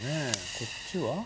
こっちは？